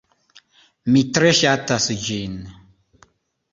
Mi tre ŝatas ĝin.